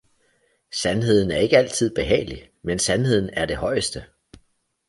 Sandheden er ikke altid behagelig, men Sandheden er det Høieste!